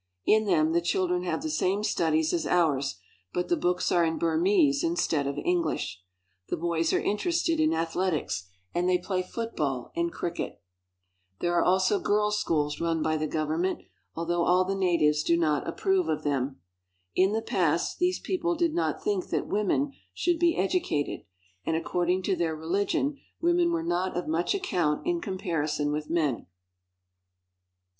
In them the children have the same studies as ours, but the books are in Burmese instead of English. The boys are interested in athletics, and they play football and cricket IN BRITISH BURMA .215 There are also girls' schools run by the government, although all the natives do not approve of them. In the past these people did not think that women should be edu cated, and according to their religion women were not of much account in comparison with men.